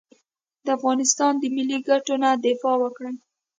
د افغانستان د ملي ګټو نه دفاع وکړي.